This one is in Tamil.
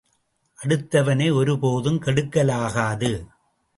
அடுத்தவனை ஒரு போதும் கெடுக்கலாகாது.